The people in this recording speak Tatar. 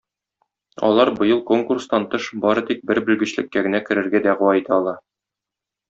Алар быел конкурстан тыш бары тик бер белгечлеккә генә керергә дәгъва итә ала.